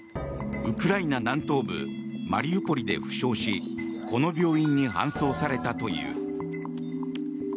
ウクライナ南東部マリウポリで負傷しこの病院に搬送されたという。